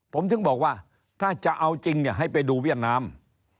ผมถึงบอกว่าถ้าจะเอาจริงให้ไปดูเวียดนาม